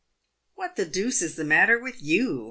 "What the deuce is the matter with you?"